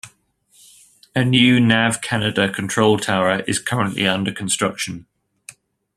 A new Nav Canada control tower is currently under construction.